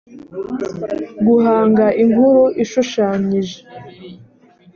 guhanga inkuru ishushanyije